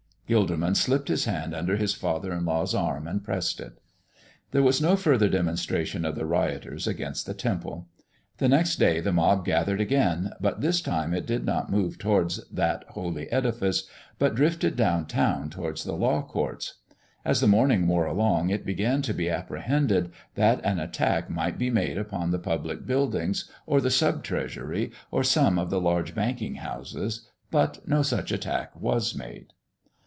Gilderman slipped his hand under his father in law's arm and pressed it. There was no further demonstration of the rioters against the Temple. The next day the mob gathered again, but this time it did not move towards that holy edifice, but drifted down town towards the law courts. As the morning wore along it began to be apprehended that an attack might be made upon the public buildings or the sub treasury or some of the larger banking houses, but no such attack was made.